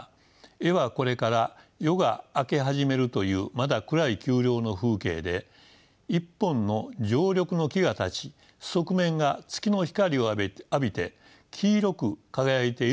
絵はこれから夜が明け始めるというまだ暗い丘陵の風景で１本の常緑の木が立ち側面が月の光を浴びて黄色く輝いている構図です。